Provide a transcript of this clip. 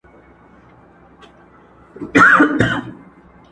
لنډۍ په غزل کي، اوومه برخه !.